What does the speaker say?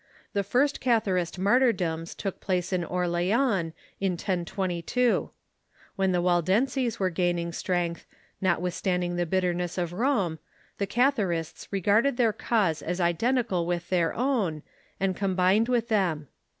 The first Catharist martyrdoms took place in Orleans, in 1022, When the Waldenses were gaining strength, not withstanding the bitterness of Rome, the Catharists regarded their cause as identical with their own, and combined with them.